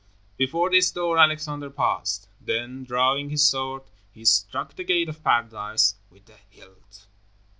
Before this door Alexander paused. Then, drawing his sword, he struck the Gate of Paradise with the hilt.